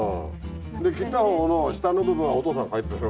で切った方の下の部分はお父さんはいてたの？